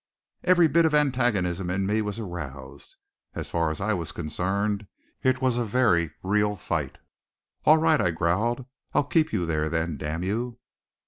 Every bit of antagonism in me was aroused. As far as I was concerned, it was a very real fight. "All right," I growled, "I'll keep you there then, damn you!"